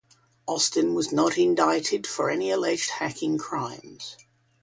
Austin was not indicted for any alleged hacking crimes.